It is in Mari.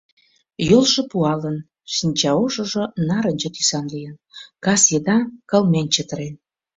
Йолжо пуалын, шинчаошыжо нарынче тӱсан лийын, кас еда кылмен чытырен.